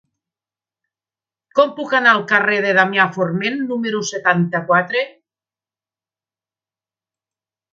Com puc anar al carrer de Damià Forment número setanta-quatre?